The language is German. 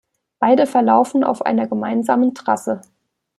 Beide verlaufen auf einer gemeinsamen Trasse.